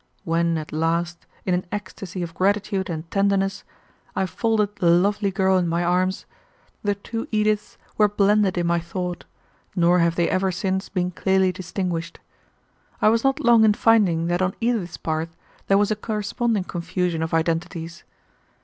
When at last, in an ecstasy of gratitude and tenderness, I folded the lovely girl in my arms, the two Ediths were blended in my thought, nor have they ever since been clearly distinguished. I was not long in finding that on Edith's part there was a corresponding confusion of identities.